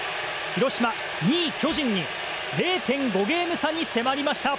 広島は２位、巨人に０．５ゲーム差に迫りました！